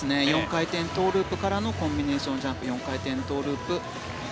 ４回転トウループからのコンビネーションジャンプ４回転トウループ。